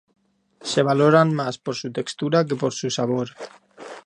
Se valoran más por su textura que por su sabor.